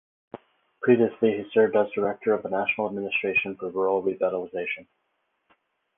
Previously he served as director of the National Administration for Rural Revitalization.